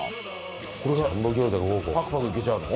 これがパクパクいけちゃうの？